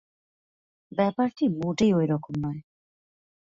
ব্যাপারটি মোটেই ঐ রকম নয়।